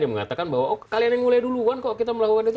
yang mengatakan bahwa oh kalian yang mulai duluan kok kita melakukan itu